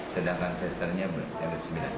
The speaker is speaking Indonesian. sedangkan sesarnya ada sembilan